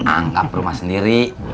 anggap rumah sendiri